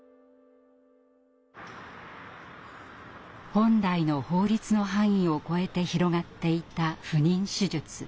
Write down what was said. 本来の法律の範囲をこえて広がっていた不妊手術。